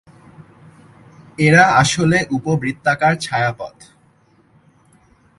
এরা আসলে উপবৃত্তাকার ছায়াপথ।